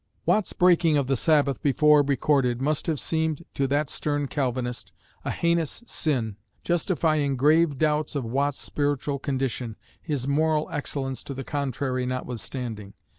Watt's breaking of the Sabbath before recorded must have seemed to that stern Calvinist a heinous sin, justifying grave doubts of Watt's spiritual condition, his "moral excellence" to the contrary notwithstanding.